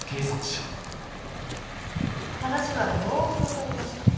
話はよく分かりました。